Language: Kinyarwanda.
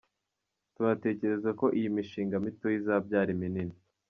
Tunatekereza ko iyo mishinga mitoya izabyara iminini.